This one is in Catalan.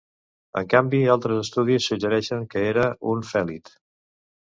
En canvi, altres estudis suggereixen que era un fèlid.